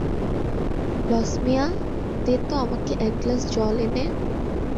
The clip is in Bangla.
লছমিয়া, দে তো আমাকে এক গ্লাস জল এনে।